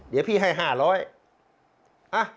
เดี๋ยวพี่ให้๕๐๐บาท